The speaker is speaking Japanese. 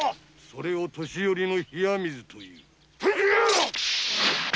それを年寄りの冷や水という。